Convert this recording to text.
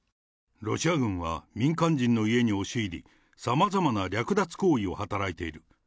ロシア軍は民間人の家に押し入り、さまざまな略奪行為を働いている。